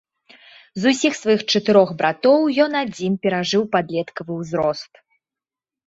З усіх сваіх чатырох братоў ён адзін перажыў падлеткавы ўзрост.